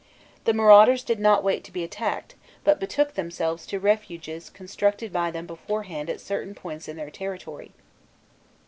The marauders did not wait to be attacked, but betook themselves to refuges constructed by them beforehand at certain points in their territory.